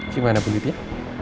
gimana begitu ya